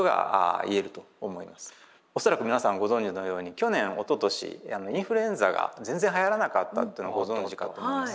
恐らく皆さんご存じのように去年おととしインフルエンザが全然はやらなかったというのはご存じかと思います。